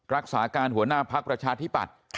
รักษาการหัวหน้าพักประชาธิปัตย์